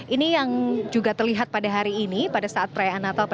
ini yang juga terlihat pada hari ini pada saat perayaan natal